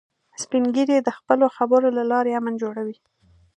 سپین ږیری د خپلو خبرو له لارې امن جوړوي